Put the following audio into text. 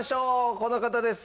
この方です。